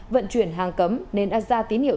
vận chuyển hàng cấm nên đã ra tín hiệu